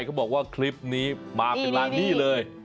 เขาบอกว่าคลิปนี้มาเป็นร้านนี้เลย